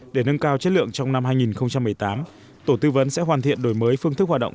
để nâng cao chất lượng trong năm hai nghìn một mươi tám tổ tư vấn sẽ hoàn thiện đổi mới phương thức hoạt động